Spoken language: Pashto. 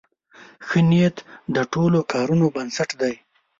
ښه نیت د ټولو کارونو بنسټ دی.